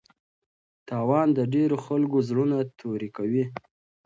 تاوان د ډېرو خلکو زړونه توري کوي.